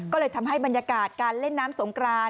ก็เลยทำให้บรรยากาศการเล่นน้ำสงกราน